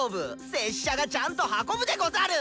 拙者がちゃんと運ぶでござる！